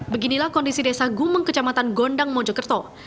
beginilah kondisi desa gumeng kecamatan gondang mojokerto